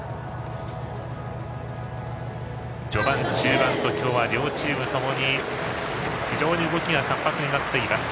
序盤、中盤と今日は両チームともに非常に動きが活発になっています。